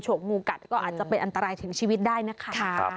งูกัดก็อาจจะเป็นอันตรายถึงชีวิตได้นะคะ